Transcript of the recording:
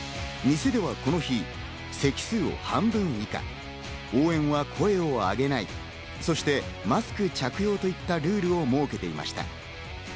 店ではこの日、席数を半分以下、応援は声をあげない、そしてマスク着用といったルールを設けていました。